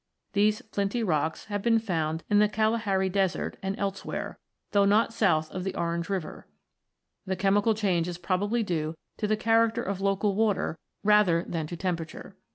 These flinty rocks have been found in the Kalahari Desert and elsewhere, though not south of the Orange River ; the chemical change is probably due to the character of local water rather than to temperature.